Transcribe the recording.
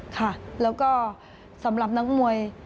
ค่ะแล้วก็สำหรับนักมวย